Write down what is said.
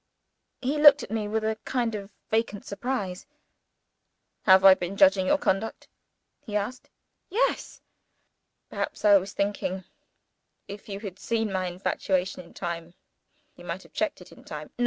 He looked at me with a kind of vacant surprise. "Have I been judging your conduct?" he asked. "Yes." "Perhaps I was thinking, if you had seen my infatuation in time you might have checked it in time.